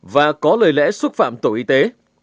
và có lời lẽ xúc phạm tổ y tế